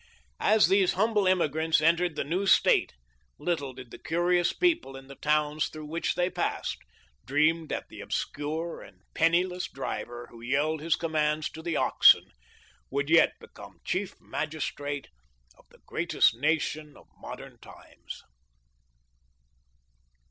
As these humble emigrants entered the new State little did the curious people in the towns through which they passed dream that the obscure and penniless driver who yelled his commands to the oxen would yet become Chief Magistrate of the greatest nation of modern times.